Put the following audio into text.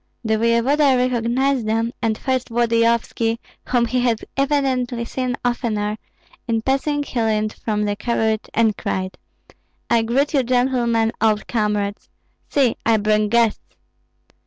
The voevoda recognized them, and first Volodyovski, whom he had evidently seen oftener; in passing he leaned from the carriage and cried, "I greet you, gentlemen, old comrades! See, I bring guests!"